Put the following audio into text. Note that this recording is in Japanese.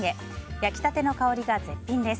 焼きたての香りが絶品です。